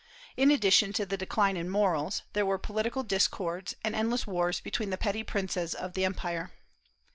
In addition to the decline in morals, there were political discords and endless wars between the petty princes of the empire.